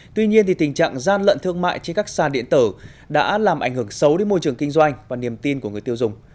tuy nhiên tình trạng gian lận thương mại trên các sàn điện tử đã làm ảnh hưởng xấu đến môi trường kinh doanh và niềm tin của người tiêu dùng